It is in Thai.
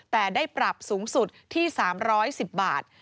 แต่ได้ปรับสูงสุดที่๓๑๐บาท